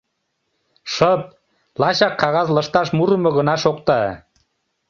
Шып, лачак кагаз лышташ мурымо гына шокта.